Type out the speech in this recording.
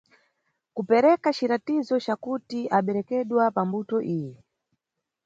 Kupereka ciratizo cakuti aberekedwa pambuto iyi.